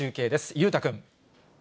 裕太君。